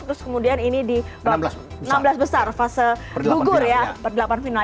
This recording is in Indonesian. terus kemudian ini di enam belas besar fase bugur ya per delapan final